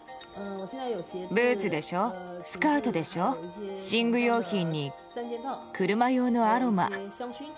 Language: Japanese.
ブーツでしょ、スカートでしょ、寝具用品に車用のアロマ。